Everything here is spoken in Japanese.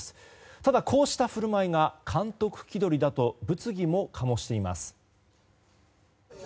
ただ、こうした振る舞いが監督気取りだと物議も醸しています。